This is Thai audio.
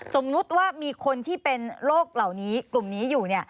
สมมุติว่ามีคนที่เป็นโรคเหล่านี้กลุ่มนี้อยู่